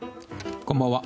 こんばんは。